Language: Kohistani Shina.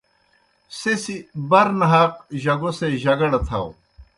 سہ سیْ بَرنہاق جگو سے جگڑہ تھاؤ۔